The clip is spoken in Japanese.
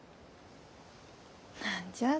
何じゃあ？